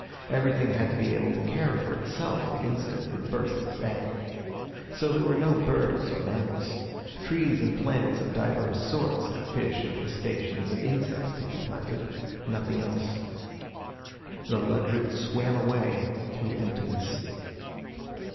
Everything had to be able to care for itself the instant it burst its egg. So there were no birds or mammals. Trees and plants of divers sorts, and fish and crustaceans and insects could be planted. Nothing else. The Ludred swam away through emptiness.